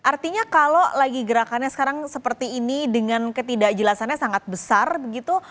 artinya kalau lagi gerakannya sekarang seperti ini dengan ketidakjelasannya sangat besar begitu